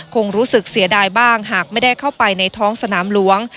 คงรู้สึกเสียดายบ้างหากไม่ได้เข้าไปในท้องสนามหลวง